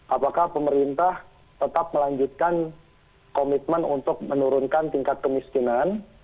apakah pemerintah tetap melanjutkan komitmen untuk menurunkan tingkat kemiskinan